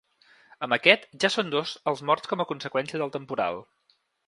Amb aquest, ja són dos els morts com a conseqüència del temporal.